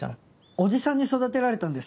叔父さんに育てられたんです。